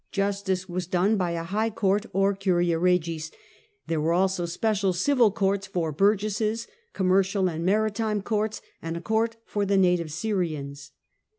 Justice was done by a High Court or Curia Eegis ; there were also special civil courts for burgesses, commercial and maritime courts, and a court for the native Syrians.